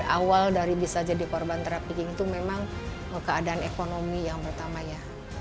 awal dari bisa jadi korban terapi itu memang keadaan ekonomi yang pertamanya